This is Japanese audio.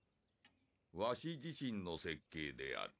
「わし自身の設計である」